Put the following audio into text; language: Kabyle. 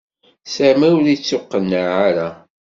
Sami ur ittuqqeneɛ ara.